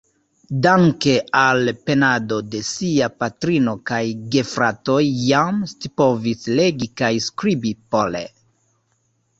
Danke al penado de sia patrino kaj gefratoj jam scipovis legi kaj skribi pole.